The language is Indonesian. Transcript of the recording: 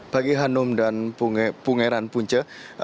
pagi hanum dan pungeran punca